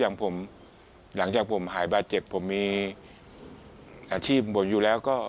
อย่างผมหลังจากผมหายบาดเจ็บผมมีอาชีพผมอยู่แล้วก็